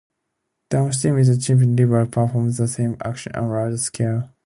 Downstream the Chippewa River performs the same action on a larger scale.